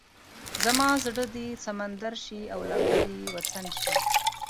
زما زړه دې سمندر شي او لمبه دې وطن شي.